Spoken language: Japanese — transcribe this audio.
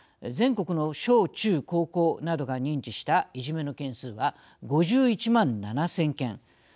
全国の小・中・高校などが認知した、いじめの件数は５１万７０００件。